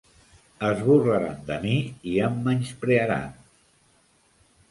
Es burlaran de mi i em menysprearan.